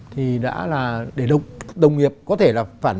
thì đã là để đồng nghiệp có thể là